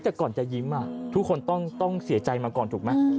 แต่ก่อนจะยิ้มทุกคนต้องเสียใจมาก่อนถูกไหม